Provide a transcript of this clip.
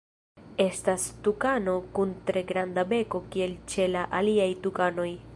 Estas tukano kun tre granda beko kiel ĉe la aliaj tukanoj.